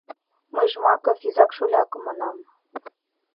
— Мый Жмаков изак-шолякым манам...